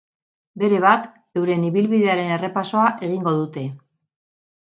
Berebat, euren ibilbidearen errepasoa egingo dute.